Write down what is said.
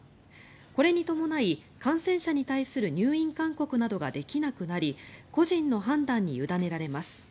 これに伴い、感染者に対する入院勧告などができなくなり個人の判断に委ねられます。